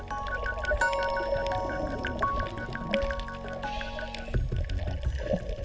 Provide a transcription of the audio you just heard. mengerikan karena sampah ini bukan sampah cuma disebut sampah lokal